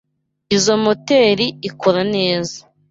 Izoi moteri ikora neza.